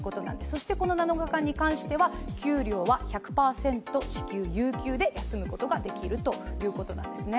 そしてこの７日間に関しては給料は１００％有給で休むことができるということなんですね。